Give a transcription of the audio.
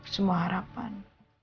sampai jumpa lagi